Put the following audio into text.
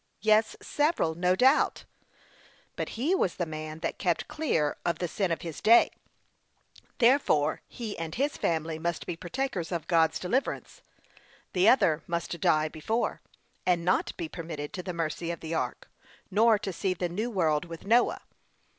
Yes, several, no doubt; but he was the man that kept clear of the sin of his day, therefore he and his family must be partakers of God's deliverance; the other must die before, and not be permitted to the mercy of the ark, nor to see the new world with Noah.